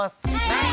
はい！